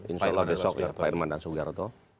insya allah besok pak irman dan pak sugiharto